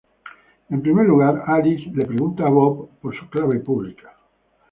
En primer lugar, Alice le pregunta a Bob por su clave pública.